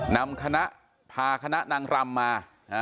นำคณะพาคณะนางรำมา